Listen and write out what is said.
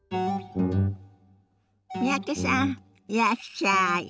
三宅さんいらっしゃい。